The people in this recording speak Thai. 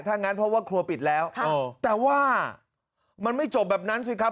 ถ้างั้นเพราะว่าครัวปิดแล้วแต่ว่ามันไม่จบแบบนั้นสิครับ